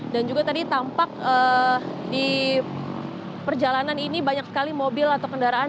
dan juga tadi tampak di perjalanan ini banyak sekali mobil atau kendaraan